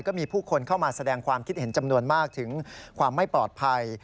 มีคนเข้ามาแสดงความคิดเห็นจำนวนมากถึงความไม่ปลอดภัย